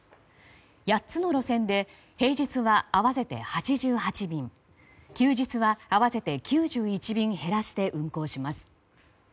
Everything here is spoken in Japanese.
８つの路線で平日は合わせて８８便休日は合わせて９１便減らして運行します。